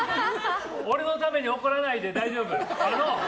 俺のために怒らないで大丈夫。